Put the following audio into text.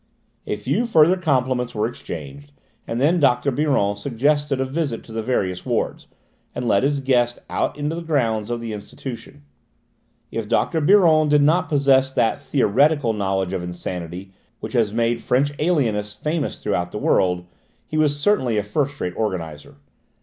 A few further compliments were exchanged and then Dr. Biron suggested a visit to the various wards, and led his guest out into the grounds of the institution. If Dr. Biron did not possess that theoretical knowledge of insanity which has made French alienists famous throughout the world, he was certainly a first rate organiser.